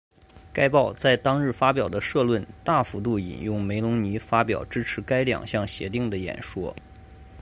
该报在当日发表的社论大幅度引用梅隆尼发表支持该两项协定的演说。